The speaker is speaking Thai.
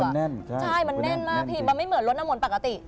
แน่นใช่มันแน่นมากพี่มันไม่เหมือนรถน้ำมนต์ปกติ